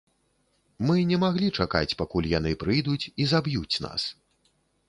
Мы не маглі чакаць, пакуль яны прыйдуць і заб'юць нас.